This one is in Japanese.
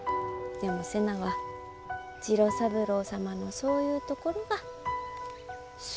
でも瀬名は次郎三郎様のそういうところが好。